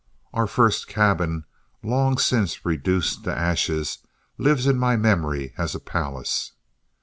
Our first cabin, long since reduced to ashes, lives in my memory as a palace.